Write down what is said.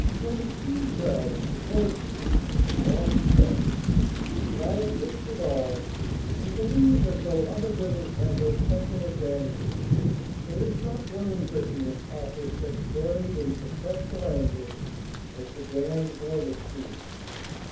From Tweed Well to Coldstream is a long stretch, but I have fished it all, and believe that though other rivers have their special advantages, there is not one in Britain which offers such varied and successful angling as the grand Border stream.